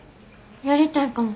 やりたいかも。